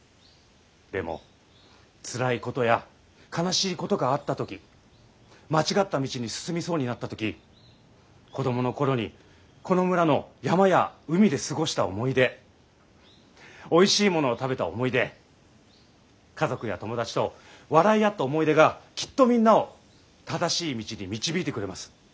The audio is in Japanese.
でもつらいことや悲しいことがあった時間違った道に進みそうになった時子供の頃にこの村の山や海で過ごした思い出おいしいものを食べた思い出家族や友達と笑い合った思い出がきっとみんなを正しい道に導いてくれます。